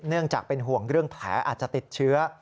เนื่องจากเป็นห่วงเรื่องแผลอาจจะติดเชื้อ